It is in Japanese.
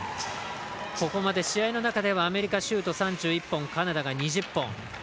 ここまで試合の中ではアメリカがシュート３１本カナダが２０本。